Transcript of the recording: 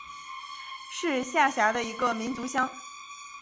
是下辖的一个民族乡。